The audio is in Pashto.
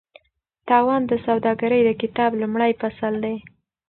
تاوان د سوداګرۍ د کتاب لومړی فصل دی.